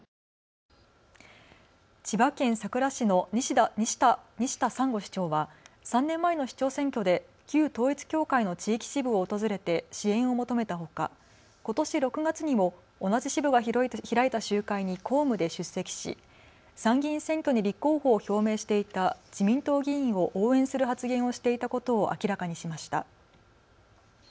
千葉県佐倉市の西田三十五市長は３年前の市長選挙で旧統一教会の地域支部を訪れて支援を求めたほか、ことし６月にも同じ支部が開いた集会に公務で出席し参議院選挙に立候補を表明していた自民党議員を応援する発言をしていたことを明らかにしました。